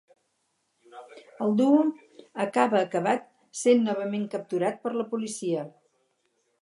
El duo acaba acabat sent novament capturat per la policia.